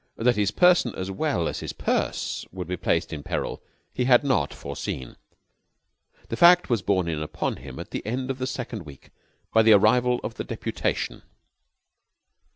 That his person as well as his purse would be placed in peril he had not foreseen. The fact was borne in upon him at the end of the second week by the arrival of the deputation.